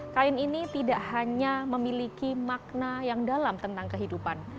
kain ini tidak hanya memiliki makna yang dalam tentang kehidupan